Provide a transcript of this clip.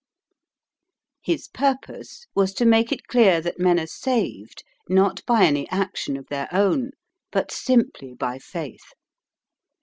His purpose was to make it clear that men are saved, not by any action of their own, but simply by faith.